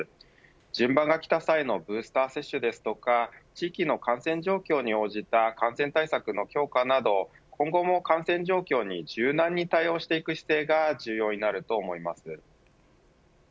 順番がきた際のブースター接種ですとか地域の感染状況に応じた感染対策の強化など今後も感染状況に柔軟に対応していく姿勢が重要になると思います。